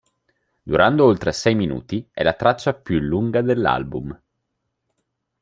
Durando oltre sei minuti, è la traccia più lunga dell'album.